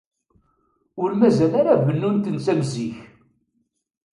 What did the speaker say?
Ur mazal ara bennun-tent am zik.